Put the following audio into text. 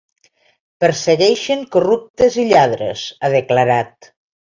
Persegueixin corruptes i lladres, ha declarat.